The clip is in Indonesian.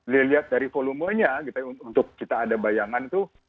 dilihat dari volumenya untuk kita ada bayangan itu